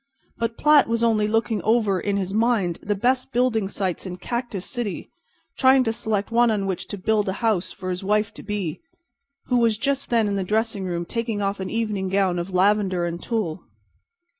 But Platt was only looking over in his mind the best building sites in Cactus City, trying to select one on which to build a house for his wife to be—who was just then in the dressing room taking off an evening gown of lavender and tulle.